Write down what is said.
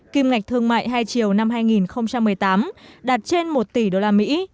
kim ngạch thương mại hai triệu năm hai nghìn một mươi tám đạt trên một tỷ đô la mỹ